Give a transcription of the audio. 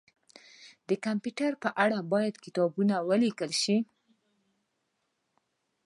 د کمپيوټر په اړه باید کتابونه ولیکل شي